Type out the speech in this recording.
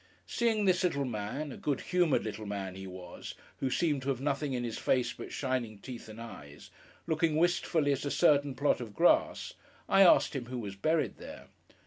Seeing this little man (a good humoured little man he was, who seemed to have nothing in his face but shining teeth and eyes) looking wistfully at a certain plot of grass, I asked him who was buried there.